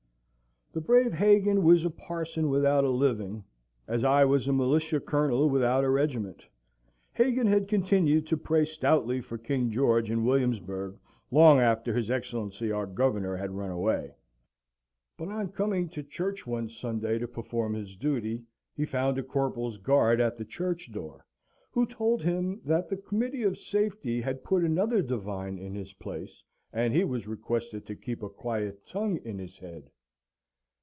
The brave Hagan was a parson without a living, as I was a Militia Colonel without a regiment. Hagan had continued to pray stoutly for King George in Williamsburg, long after his Excellency our Governor had run away: but on coming to church one Sunday to perform his duty, he found a corporal's guard at the church door, who told him that the Committee of Safety had put another divine in his place, and he was requested to keep a quiet tongue in his head.